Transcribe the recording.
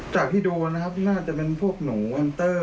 จากที่ดูนะครับน่าจะเป็นพวกหนูวันเตอร์